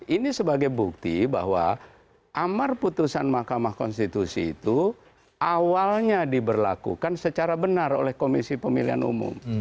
ini sebagai bukti bahwa amar putusan mahkamah konstitusi itu awalnya diberlakukan secara benar oleh komisi pemilihan umum